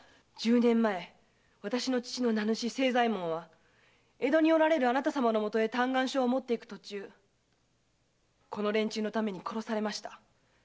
十年前私の父の名主・清左衛門は江戸におられるあなたさまの許へ嘆願書を持っていく途中この連中のために殺されました。